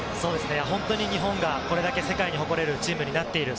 本当に日本がこれだけ世界に誇れるチームになっている。